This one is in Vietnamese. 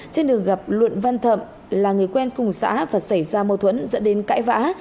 trên đường gặp luận văn thận là người quen cùng xã và xảy ra mâu thuẫn dẫn đến cãi vã